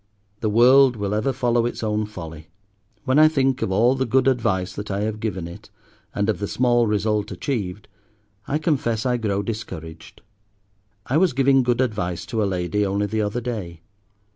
the world will ever follow its own folly. When I think of all the good advice that I have given it, and of the small result achieved, I confess I grow discouraged. I was giving good advice to a lady only the other day.